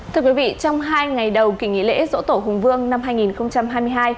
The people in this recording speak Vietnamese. thưa quý vị trong hai ngày đầu kỳ nghỉ lễ dỗ tổ hùng vương năm hai nghìn hai mươi hai